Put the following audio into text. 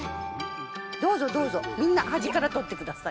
どうぞどうぞみんな端からとって下さい。